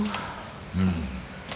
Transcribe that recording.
うん。